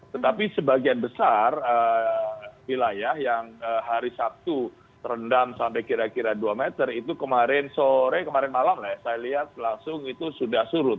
tetapi sebagian besar wilayah yang hari sabtu terendam sampai kira kira dua meter itu kemarin sore kemarin malam lah saya lihat langsung itu sudah surut